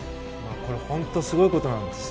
これ本当にすごいことなんですよ。